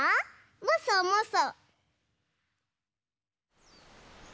もそもそ。